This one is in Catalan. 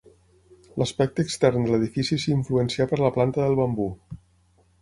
L'aspecte extern de l'edifici s'influencià per la planta del bambú.